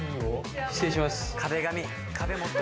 失礼します。